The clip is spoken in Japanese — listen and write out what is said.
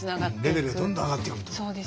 レベルがどんどん上がっていくと。